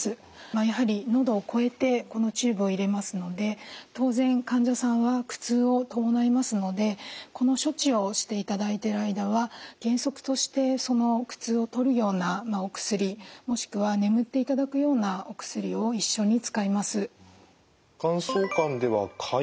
やはり喉を越えてこのチューブを入れますので当然患者さんは苦痛を伴いますのでこの処置をしていただいている間は原則としてその苦痛を取るようなお薬もしくは眠っていただくようなお薬を一緒に使います。